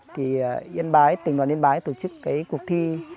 thì yên bái tỉnh đoàn yên bái tổ chức cuộc thi